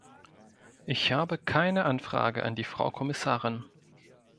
Ich habe keine Anfrage an die Frau Kommissarin.